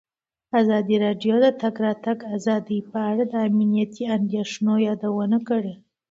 ازادي راډیو د د تګ راتګ ازادي په اړه د امنیتي اندېښنو یادونه کړې.